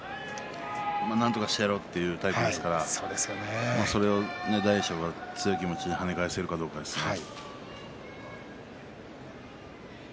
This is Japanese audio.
なんとかしてやろうという明生ですが、それを大栄翔が強い気持ちで跳ね返せるかどうかですね。